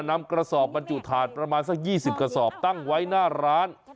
นำกระสอบบรรจุถาดประมาณสัก๒๐กระสอบตั้งไว้หน้าร้าน